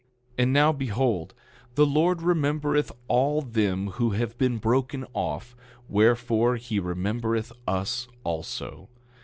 And now behold, the Lord remembereth all them who have been broken off, wherefore he remembereth us also.